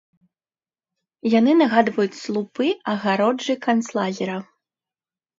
Яны нагадваюць слупы агароджы канцлагера.